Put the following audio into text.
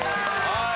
はい。